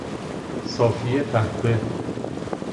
صافی قهوه